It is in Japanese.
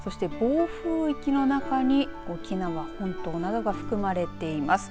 そして暴風域の中に沖縄本島などが含まれています。